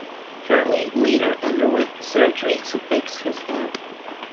Firley later underwent surgery to fix his hand.